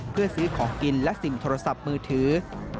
เพื่อซื้อของกินและสิ่งโทรศัพท์มือถือ